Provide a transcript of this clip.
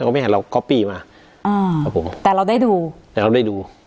ก็ไม่เห็นเราก๊อปปี้มาอ่าครับผมแต่เราได้ดูแต่เราได้ดู